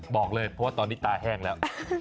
บอกเลยเพราะว่าตอนนี้ตาแห้งแล้ว